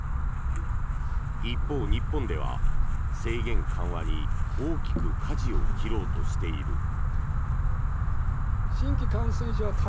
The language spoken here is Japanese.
一方、日本では制限緩和に大きくかじを切ろうとしている。